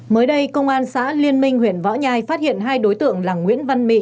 mới đây công an xã liên minh huyện võ nhai phát hiện hai đối tượng là nguyễn văn mị